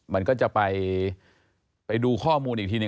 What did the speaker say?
มันก็จะไปดูข้อมูลอีกทีนึ